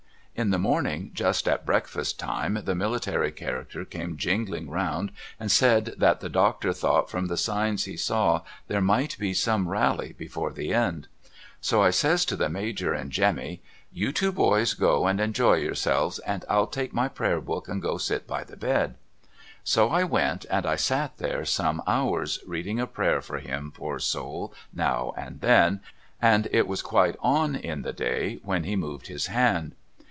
In the morning just at breakfast time the military character came jingling round, and said that the doctor thought from the signs he saw there might be some rally before the end. So I says to the Major and Jemmy, ' You two boys go and enjoy yourselves, and I'll take my Prayer Book and go sit by the bed.' So I went, and I sat there some hours, reading a prayer for him poor soul now and then, and it was quite on in the day when he moved his hand.